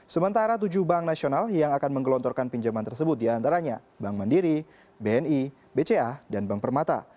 sementara tujuh bank nasional yang akan menggelontorkan pinjaman tersebut diantaranya bank mandiri bni bca dan bank permata